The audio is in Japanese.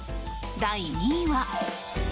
第２位は。